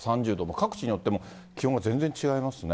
各地によって気温が全然違いますね。